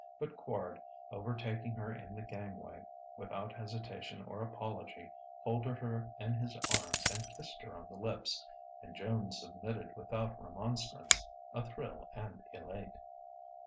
But Quard, overtaking her in the gangway, without hesitation or apology folded her in his arms and kissed her on the lips. And Joan submitted without remonstrance, athrill and elate.